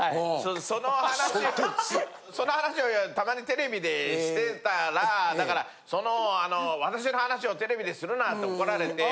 その話をその話をたまにテレビでしてたらだからそのあの「私の話をテレビでするな」って怒られて。